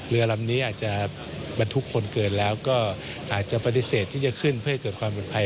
เรือลำนี้อาจจะบรรทุกคนเกินแล้วก็อาจจะปฏิเสธที่จะขึ้นเพื่อให้เกิดความปลอดภัย